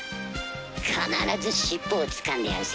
必ず尻尾をつかんでやるぜ！